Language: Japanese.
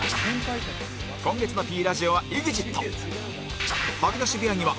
今月の Ｐ ラジオは ＥＸＩＴ